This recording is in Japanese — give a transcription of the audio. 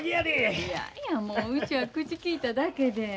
いやいやもううちは口利いただけで。